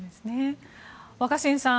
若新さん